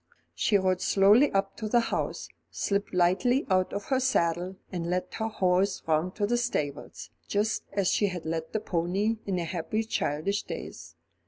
She rode slowly up to the house, slipped lightly out of her saddle, and led her horse round to the stables, just as she had led the pony in her happy childish days.